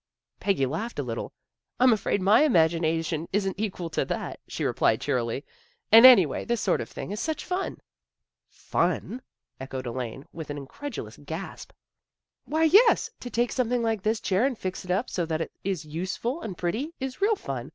Peggy laughed a little. "I'm afraid my im A BUSY AFTERNOON 57 agination isn't equal to that," she replied cheerily. " And, anyway, this sort of thing is such fun! "" Fun! " echoed Elahie, with an incredulous gasp. " Why, yes! To take something like this chair and fix it up so that it is useful and pretty is real fun.